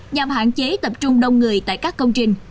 nhằm hạn chế tập trung đông người tại các công trình